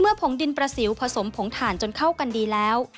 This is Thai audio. ผงดินประสิวผสมผงถ่านจนเข้ากันดีแล้ว